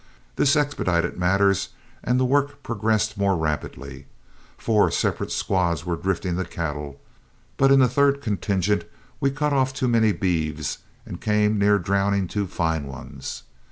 This expedited matters, and the work progressed more rapidly. Four separate squads were drifting the cattle, but in the third contingent we cut off too many beeves and came near drowning two fine ones.